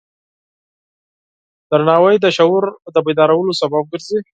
درناوی د شعور د بیدارولو سبب ګرځي.